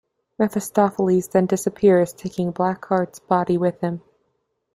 Mephistopheles then disappears, taking Blackheart's body with him.